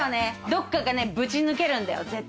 どっかがぶち抜けるんだよ。